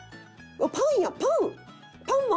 パンやパン！